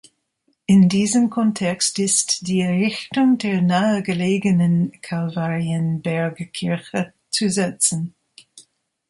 In diesen Kontext ist die Errichtung der nahegelegenen Kalvarienberg-Kirche zu setzen.